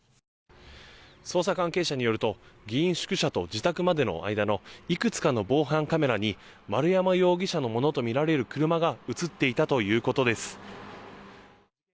捜査関係者によると議員宿舎と自宅までの間のいくつかの防犯カメラに丸山容疑者のものとみられる車が映っていたということです。